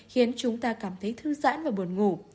khiến chúng ta cảm thấy thư giãn và buồn ngủ